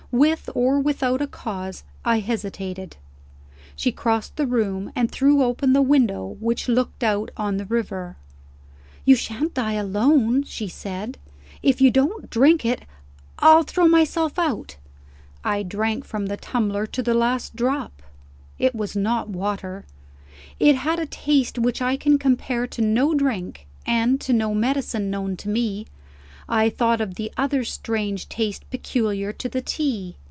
With or without a cause, I hesitated. She crossed the room, and threw open the window which looked out on the river. "You shan't die alone," she said. "If you don't drink it, I'll throw myself out!" I drank from the tumbler to the last drop. It was not water. It had a taste which I can compare to no drink, and to no medicine, known to me. I thought of the other strange taste peculiar to the tea.